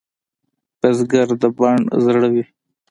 بزګر د بڼ زړه وي